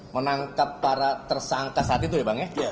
menangkap para tersangka saat itu ya bang ya